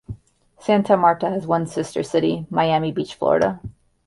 Santa Marta has one sister city: Miami Beach, Florida.